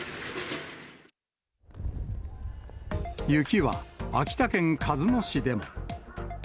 雪は秋田県鹿角市でも。